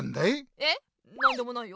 えっなんでもないよ。